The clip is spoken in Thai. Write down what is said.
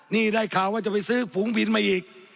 นี่ได้ข่าวว่าจะไปซื้อฝูงบินมาอีก